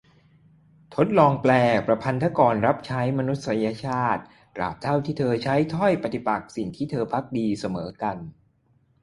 ทดลองแปล :"ประพันธกรรับใช้มนุษยชาติ ตราบเท่าเธอใช้ถ้อยปฏิปักษ์สิ่งที่เธอภักดี เสมอกัน"